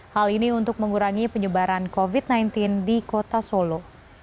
hal ini untuk mengurangi penyebaran covid sembilan belas di kota solo